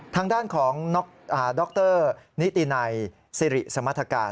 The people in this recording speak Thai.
ทางด้านของดรนิตินัยสิริสมรรถการ